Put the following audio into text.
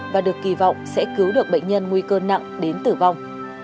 và được kỳ vọng sẽ cứu được bệnh nhân nguy cơ nặng đến tử vong